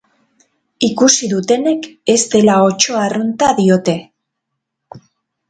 Ikusi dutenek ez dela otso arrunta diote.